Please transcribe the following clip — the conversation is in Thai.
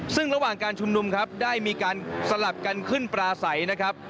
ซึ่งระหว่างการชุมนุมครับได้มีการสลับกันขึ้นปลาใสนะครับ